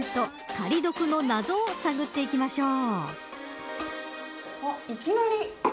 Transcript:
借り得の謎を探っていきましょう。